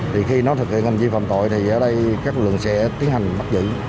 thì khi nó thực hiện hành vi phạm tội thì ở đây các lực lượng sẽ tiến hành bắt giữ